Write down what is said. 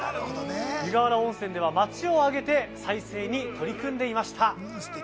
湯河原温泉では町をあげて再生に取り組んでいました。